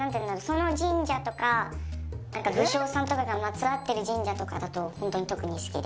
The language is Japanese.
その神社とか武将さんとかがまつわってる神社とかだとホントに特に好きで。